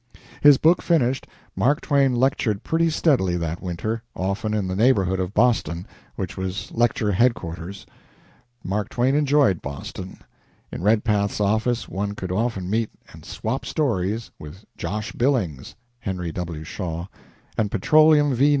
His book finished, Mark Twain lectured pretty steadily that winter, often in the neighborhood of Boston, which was lecture headquarters. Mark Twain enjoyed Boston. In Redpath's office one could often meet and "swap stories" with Josh Billings (Henry W. Shaw) and Petroleum V.